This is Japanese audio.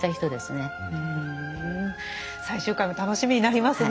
最終回も楽しみになりますね。